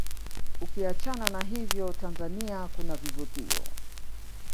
ukiachana na hivyo Tanzania kunavivutio